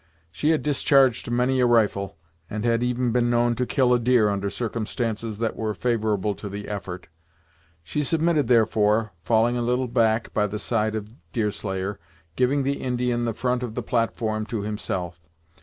She had discharged many a rifle, and had even been known to kill a deer, under circumstances that were favorable to the effort. She submitted therefore, falling a little back by the side of Deerslayer, giving the Indian the front of the platform to himself.